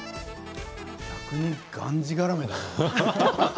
逆に、がんじがらめ。